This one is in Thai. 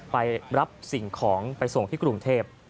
ไปรับสิ่งของไปส่งที่กรุงเทพ